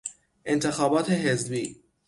انتخابات حزبی